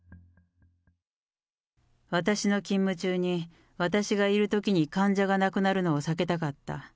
私の勤務中に、私がいるときに患者が亡くなるのを避けたかった。